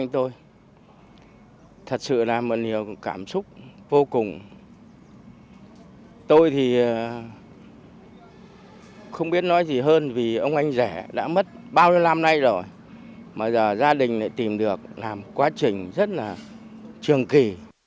tôi thì không biết nói gì hơn vì ông anh rẻ đã mất bao nhiêu năm nay rồi mà giờ gia đình lại tìm được làm quá trình rất là trường kỳ